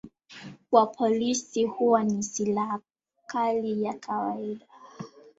Kwa polisi huwa ni silaha kali ya kawaida.